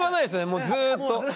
もうずっと。